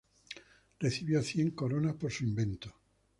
Recibió cien coronas por su invento.